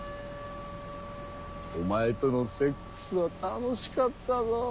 お前とのセックスは楽しかったぞ。